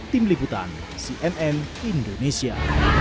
tim liputan cnn indonesia